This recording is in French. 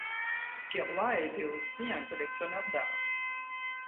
Queyroy a été aussi un collectionneur d'art.